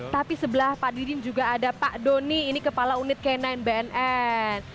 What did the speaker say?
tapi sebelah pak didin juga ada pak doni ini kepala unit k sembilan bnn